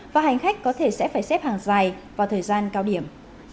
và hành khách có thể sẽ phải xếp hàng dài vào thời gian cao điểm